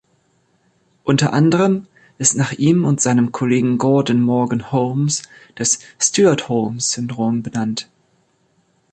Unter anderem ist nach ihm und seinem Kollegen Gordon Morgan Holmes das Stewart-Holmes-Syndrom benannt.